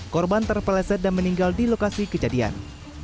korban terpeleset dan meninggal di lokasi kejadian